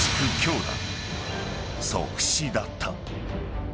［即死だった］